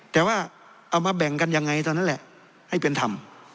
แต่ว่าเอามาแบ่งกันยังไงตอนนั้นแหละให้เป็นธรรม